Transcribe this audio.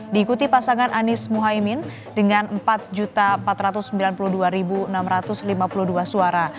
diikuti pasangan anies muhaymin dengan empat empat ratus sembilan puluh dua enam ratus lima puluh dua suara